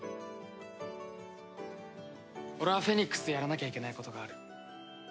俺はフェニックスでやらなきゃいけないことがある。